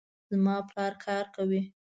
زما پلار کار کوي